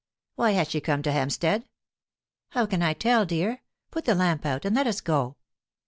"Why has she come to Hampstead?" "How can I tell, dear? Put the lamp out, and let us go."